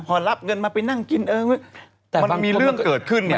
พอรับเงินมาไปนั่งกินเออแต่มันมีเรื่องเกิดขึ้นเนี่ย